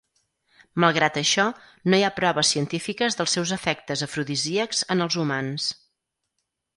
Malgrat això, no hi ha proves científiques dels seus efectes afrodisíacs en els humans.